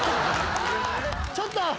ちょっと。